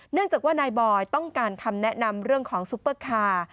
เนื่องจากว่านายบอยต้องการคำแนะนำเรื่องของซุปเปอร์คาร์